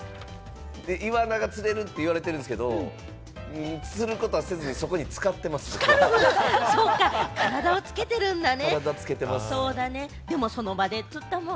イワナが釣れるって言われてるんですけれども、釣ることはせずに、体を浸けてるんだね。